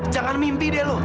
jangan mimpi deh lo